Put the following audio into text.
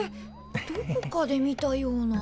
どこかで見たような。